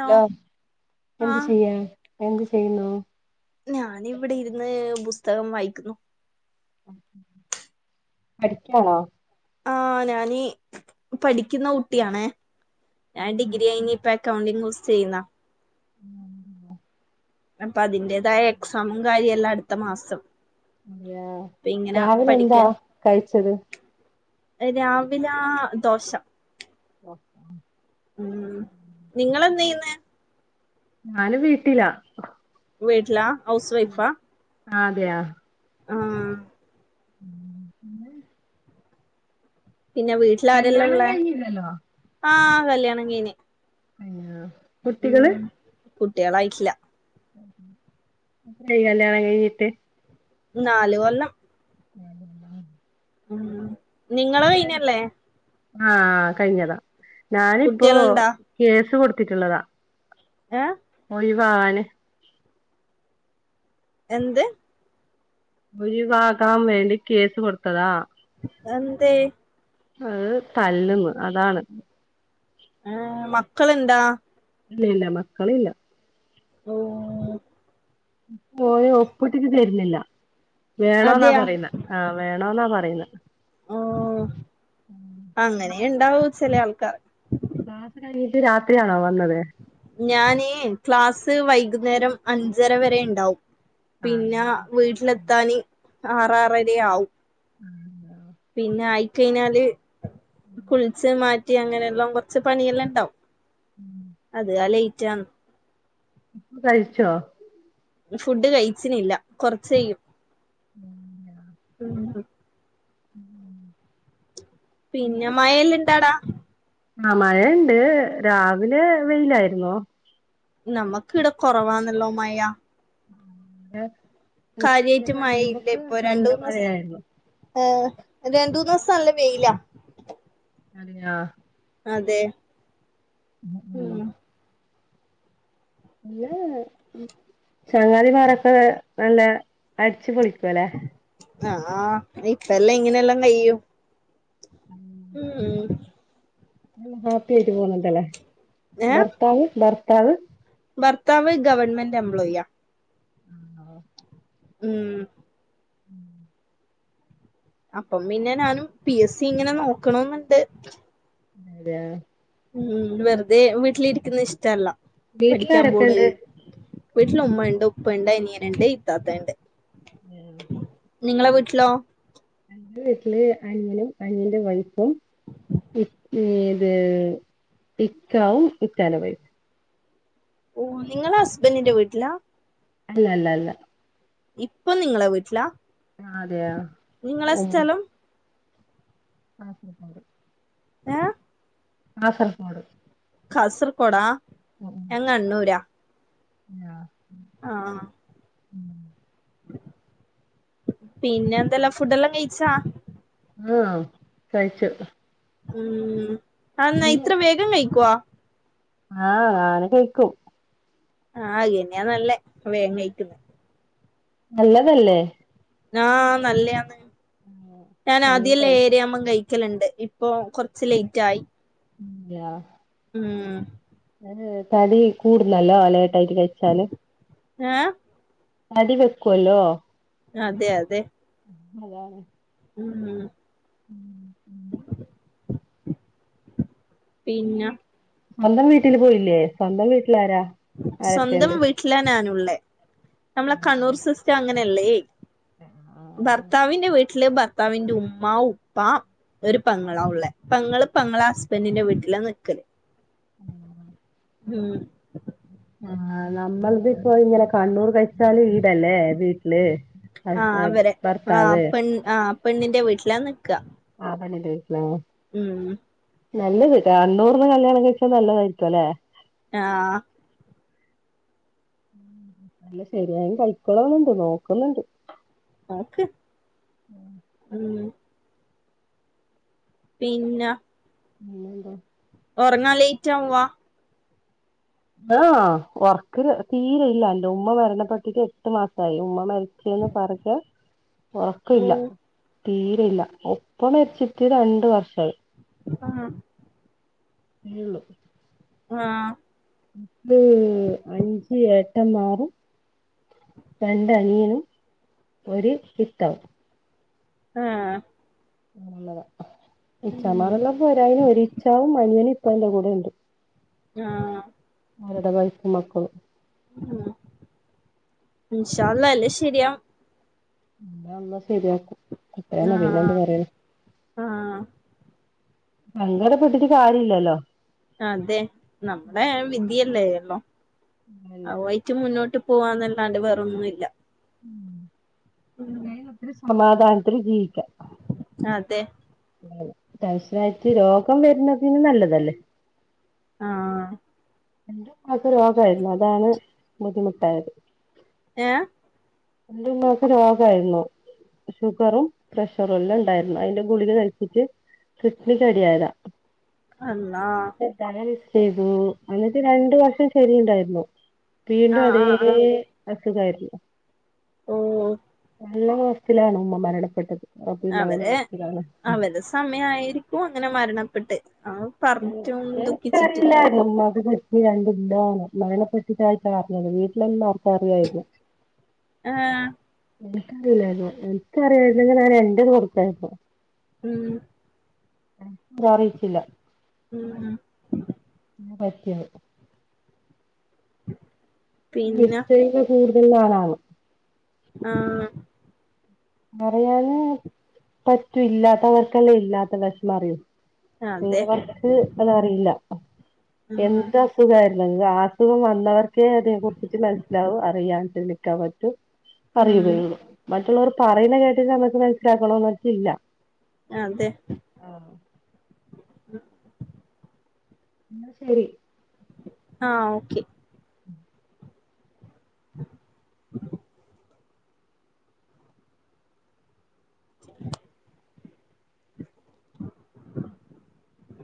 Hello എന്ത് ആഹ് ചെയ്യാ എന്ത് ചെയ്യുന്നു സ്തകം വായിക്കുന്നു പഠിക്കാണോ ആ ഞാനെ പഠിക്കുന്ന കുട്ടിയാണേ ആന്റി ഗിരിയാണി പാക് കൗണ്ടിഗ് ഗുസു ചെയ്യുന്നോ ഉ അപ്പം അതിന്റേതായ എക്സാമും കാര്യ ല്ല അടുത്ത മാസം യാ അപ്പ ഇങ്ങനെ രാവിലെ എന്താ കഴിച്ചത് രാവിലാ ദോശ ഓ ഉം നിങ്ങൾ എന്ത്‌ ചെയ്യന്നെ ഞാനും വീട്ടിലാ വീട്ട് ലാ ഹൗസ് വൈഫാ ആ അത് യാ ആ ഉ പി [unintelligible] പിന്നെ വീട്ടിലാരെല്ലാ കല്യാണം ഒള്ളേ കഴിഞ്ഞില്ലല്ലോ ആ കല്യാണങ്കയിഞ്ഞു കയിഞ്ഞോ കുട്ടികള് കുട്ടികളായിട്ടില്യ സയിക ആണം ക ഇട്ട [unintelligible] നാല് കൊല്ലം ആ ആ അ നിങ്ങള കയിഞ്ഞല്ലേ ആ കയിഞ്ഞതാ ഞാനിപ്പോ കുട്ടികളുണ്ടാ കേസു കൊടുത്ത് ത്തിട്ടുള്ളതാ ഏ ധിവാണ് എന്ത് ഒഴിവാക്കാവേണ്ടി കേസ് കൊടുത്തതാ എന്തേ അത് തല്ലുന്നു അതാണ് ഏ മക്കള്ഉണ്ടാ ഇല്ല ഇല്ല മക്കളില്ല ഓ പോയ ഒപ്പിട്ടിട്ട് തരുന്നില്ല വേണോ എന്നാ അതെയാ പറയുന്ന ആ വേ ആണോന്നാ പറയുന്നത് ഓ അങ്ങനെ ക്ലാസ് ഉണ്ടാവും ചില ആൾക്കാ ക രാത്രിയാണോവാ ഞാൻ ക്ലാസ് ക്ലാസ് വൈകുന്നേരം അഞ്ചര വരെ ഉണ്ടാവും പിന്നെ ആഹ് വീട്ടിലെത്താാന് ആറാറര ആവും ഉം പിന്നെ ആയി കഴിഞ്ഞാല് കുളിച്ച്മാറ്റ കുട്ടി അങ്ങനെല്ലാം കുറച്ച് പണിയെല്ലാം ഉണ്ടാവും അത് അലയ് ചമ് ഫുഡ്കഴിച്ചോ ഫുഡ് കഴിച്ചിനില്ല കൊറച്ച് കഴിയും [unintelligible] ഉം ഉം പിന്നെ മയല്ല ഇണ്ടാടാ ആഹ മഴുണ്ട് രാവിലെ വെയിലായിരുന്നു നമ്മക്ക് ഇവിടെ കുറവാണല്ലോ മയാ ആഹ കാര്യമായിട്ടു മയില്ലേ ഇപ്പൊ രണ്ട്മൂന്ന് മഴയായിരുന്നു ദിവസ രണ്ടോന്നുസം നല്ലവെയിലാ. അതെയോ. അതെ. ഉ ഉ ഉം പി ചങ്കാതിമാരൊക്കെ നല്ല അടിച്ചു പൊളിക്ക പെളികുലെ. ആഹ് ഇപ്പല്ലാം ഇങ്ങനെയെല്ലാം കഴിയും. ഉം ഉ ആ ഹാപ്പി ആയിട്ട് പോണിണ്ട്ല്ലെ? ഏഹ് ബർത്താവ ബർത്ത അത് ഭർത്താവ് ഗവൺമെന്റ് എംപ്ലോയ്യാ ആ ഉം അപ്പം പിന്നെ ഞാനും പി എസ് സി ഇങ്ങനെ നോക്ക്‌ണ് ന്ന്ണ്ട് [unintelligible] ഉം വെറുതെ വീട്ടിലിരിക്കുന്നത് ഇഷ്ടല്ല പഠിക്കാൻ പോട് വീട്ട്ലാരൊക്കെണ്ട് വീട്ടില് ഉമ്മ ഇണ്ട് ഉപ്പ ഇണ്ട് അനിയന്ണ്ട് ഇത്താത്ത ഇണ്ട് ഹേ നിങ്ങളെ വീട്ട്ലോ എന്റെ വീട്ട്ല് അനിയനും അനിയന്റെ വൈഫും ഏ ഇത് ഇക്കാവും ഇക്കാന്റെ വൈഫും ഓ നിങ്ങള് ഹസ്ബന്റിന്റെ വീട്ട്ലാ അല്ല അല്ല അല്ല ഇപ്പം നിങ്ങളെ വീട്ട്ലാ അതെയാ ഓ സ്ഥലം ആ [unintelligible] ഏ കാസർകോഡ് കാസർകൊഡാ ഞാൻ കണ്ണൂരാ ആഹ ആഹ ഉം [unintelligible] പിന്നെ എന്തല്ല ഫുഡ എല്ലാം കഴിച്ചാ? ആഹ കഴിച്ചു. ഉം ആന്ന ഇത്ര വേഗം വഴക്കുവാ? ആ [unintelligible] കഴിക്കും. ആകന്ന നല്ലേ വേങ്ങയിക്കന്ന്. നല്ലതല്ലേ? ആഹ നല്ലതന്ന്. ഉം. ഞാൻ അങ്ങനെ ആദ്യല്ലേ കഴിക്കും. ഏരി അമ്മ ിക്കലുണ്ട് ഇപ്പൊ കുറച്ച് ലേറ്റ് ആയി ഇല്ല ഉം തടി കൂടുന്നല്ലോ അല [unintelligible] കഴച്ചല് ഏ നടി വെക്കുവല്ലോ അതെ അതെ അതാണ് ഉം ഉം പിന്നെ സ്വന്തം വീട്ടില് പോയില്ലേ തന്ന വി സ്വന്തം വീട്ടില ഞാനുള്ളേ നമ്മളെ അതെയോ? കണ്ണൂർ സിസ്റ്റ അങ്ങനെ ല്ലേ ആ. ഭർത്താവിന്റെ വീട് അല്ലെ ഭർത്താവിന്റെ ഉമ്മ ഉപ്പാ ഒരു പെങ്ങള ഉള്ളേ പെങ്ങള് പെങ്ങളെ ഹസ്ബൻഡിന്റെ വീട്ടിലാ നിക്കല് ആ ഉം ആ നമ്മള്ത് ഇപ്പോ ഇങ്ങനെ കണ്ണൂർ കഴിച്ചാല് ഈടല്ലേ വീട്ടില് ആഹ് അവരെ ഭർത്താവ് ല്ല നിക്ക ആഹ പെണ്ണിന്റെ വീട്ടിലാ ഉം നല്ലത് താ കണ്ണൂറിന് കല്യാണം കഴിച്ചാ നല്ലതായിരിക്കും അല്ലെ ആഹ അല്ല ശരിയായും [unintelligible] നോക്കുന്നുണ്ട് നോക്ക് ഉം പിന്നെ പിന്നെന്താ ഒറങ്ങാ ലേറ്റാവാ ആഹ ഉറക്ക തീരെ ഇല്ലല്ലോ ഉമ്മ മരണ പെട്ടിട്ട് എട്ട് മാസമായി ഉമ്മ മരി [unintelligible] ഉറക്ക ഇല്ല ഉം തീരെ ഇല്ല ഉപ്പ മരിച്ചിട്ട് രണ്ട് വർഷായി ആഹ [unintelligible] ആഹ് അഞ്ച് ഏട്ടന്മാരും രണ്ടനിയനും ഒരു പിത്താവ് ആഹ് നല്ലതാ ഉം ഇച്ചമാറല്ലപ്പോ ഒരാ [unintelligible] ഒരിച്ചാവും [unintelligible] ഇക്കാന്റെ കൂടെ ഉണ്ട് ആഹ് അവരുടെ വൈഫും മക്കളും ഇന്ഷാ അല്ലാഹ് എല്ലാം ശരിയാവും എല്ലാം അല്ലാഹ് ശരിയാക്കും അത്രന്നെ പിന്നെ എന്ത് ആഹ് പറയണ് ആഹ് ആഹ് സങ്കടപ്പെട്ടിട്ട് കാര്യം ഇല്ലല്ലോ അതെ നമ്മടെ വിധിയല്ലേ ഹലോ അതന്നെ അവയിട്ടു മുന്നോട്ട് പോവാന്നല്ലാണ്ട് വേറൊന്നും ഇല്ല ഉം അയ്നൊത്തിരി സ സമാധാനത്തിൽ ജീ അതെ ടെൻഷനായിട്ട് രോഗം വരുന്നതിനും നല്ലതല്ലേ ആഹ് എന്റെ ഉമ്മാക്ക് രോഗായിരുന്നു അതാണ് ബുദ്ധിമുട്ടായത് ഏഹ്? എന്റെ ഉമ്മാക്ക് രോഗായിരുന്നു ഷുഗറും പ്രഷറും എല്ലാം ഇണ്ടായിരുന്നു അതിന്റെ ഗുളിക കഴിച്ചിട്ട് കിഡ്നിക്ക് അടിയായതാ. അന്നാ ഡയാലിസ് ചെയ്തു ഇന്ന്ട്ട് രണ്ടു വർഷം ശരി ഇണ്ടായിര്ന്നു വീണ്ടും ആഹ് അതേ ആഹ് ആഹ് അസ് ക്ക് കാര്യല്ല ഓഹ് നല്ല മാസത്തിലാണ് ഉമ്മ മരണപ്പെട്ടത്. പിന്നെ അവരെ അവസ്ഥയിലാണ് അവരെ സമയായിരിക്കും. അങ്ങനെ മരണപ്പെട്ട് അത് പറഞ്ഞിട്ടും ദുഃഖിച്ചിട്ട് ക്ക് കിഡ്‌നി രണ്ടുല്ലാന്ന് മരണ പെട്ടിട്ടായിട്ടാണറിഞ്ഞത് വീട്ടിലെല്ലാം പ്പറിയായ്ര്ന്നു ആഹ് എനിക്കറീലാര്ന്നു എനിക്കറിയായ് ര്ന്നെ [unintelligible] ഞാൻ എൻ്റെ കൊടുത്തയക്കും ഉം [unintelligible] അറിയിച്ചില്ല. ഊം പറ്റി ഉ ഗിഫ്റ്റ് ചെയ്ത കൂടും വല്യലാണ് ആ കരയാൻ പറ്റൂ ഇല്ലാത്തവർക്കല്ലേ ഇല്ലാത്ത വിഷ്മം അറിയും അതെ ചിലവർക്ക് അത് അറിയില്ല ഓ ഉം എന്തസുഖാര് [unintelligible] [unintelligible] വന്നവർ [unintelligible] അതെ കുറിച്ചിട്ട് മനസ്സിലാവൂ അറിയാൻ [unintelligible] ഉം അറിയുകയുള്ളൂ. മറ്റുള്ളവർക്ക് പറയുന്ന കേട്ടിട്ട് നമുക്ക് മനസ്സിലാക്കണോന്നു വച്ചില്ല. അതെ. [unintelligible] ശരി. ആ! ഓക്കെ! [inaudible]